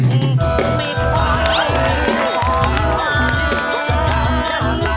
ลูกดีมาก